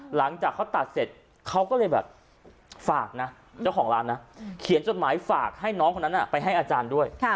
หลังจากเขาตัดเสร็จเขาก็เลยแบบฝากนะเจ้าของร้านนะเขียนจดหมายฝากให้น้องคนนั้นไปให้อาจารย์ด้วย